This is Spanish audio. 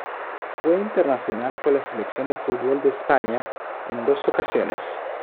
Fue internacional con la Selección de fútbol de España en dos ocasiones.